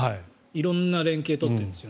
色んな連携を取ってるんです。